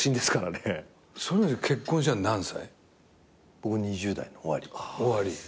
僕２０代の終わり。